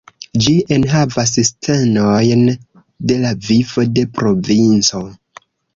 Ĝi enhavas scenojn de la vivo de provinco.